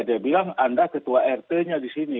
dia bilang anda ketua rt nya di sini